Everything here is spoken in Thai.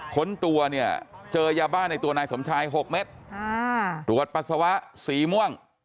ค้นตัวเนี่ยเจอยาบ้าในตัวนายสมชาย๖เม็ดตรวจปัสสาวะสีม่วง